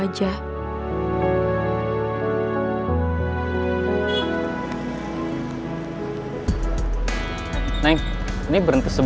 rasanya gak mungkin kalau gue tinggalin kayak gitu ya